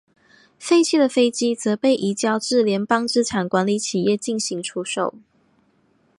废弃的飞机则被移交至联邦资产管理企业进行出售。